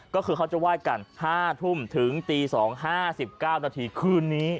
ก็คือเขาจะไหว้กัน๕ทุ่มถึงตี๒๕๙นาทีคืนนี้